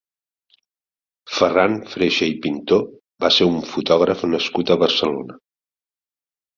Ferran Freixa i Pintó va ser un fotògraf nascut a Barcelona.